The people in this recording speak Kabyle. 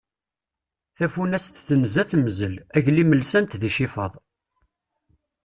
Tafunast tenza temzel, aglim lsan-t d icifaḍ.